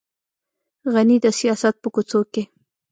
غني د سیاست په کوڅو کې.